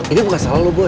ini bukan salah lo boy